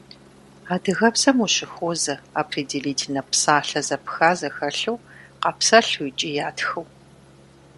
Адыгэбзэм ущыхуозэ определительнэ псалъэ зэпха зэхэлъу къапсэлъу икӏи ятхыу.